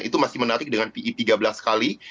itu masih menarik dengan pi tiga belas kali